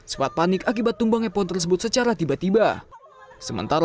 sehingga masyarakat tidak bisa masuk sementara